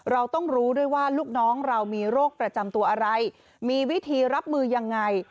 เราต้องรู้ด้วยว่าลูกน้องเรามีโรคประจำตัวอะไรมีวิธีรับมือยังไง